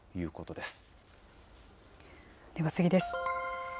では次です。